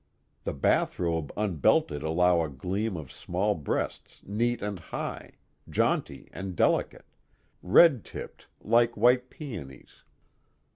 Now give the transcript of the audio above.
The bathrobe unbelted allowed a gleam of small breasts neat and high, jaunty and delicate, red tipped like white peonies.